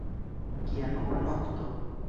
Kia nuba nokto!